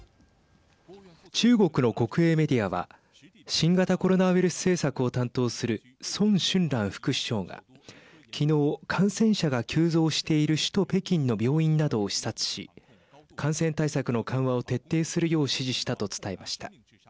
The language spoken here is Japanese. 中国の国営メディアは新型コロナウイルス政策を担当する孫春蘭副首相が昨日、感染者が急増している首都、北京の病院などを視察し感染対策の緩和を徹底するよう指示したと伝えました。